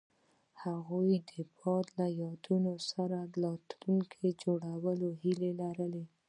هغوی د باد له یادونو سره راتلونکی جوړولو هیله لرله.